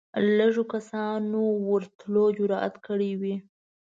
لږو کسانو ورتلو جرئت کړی وي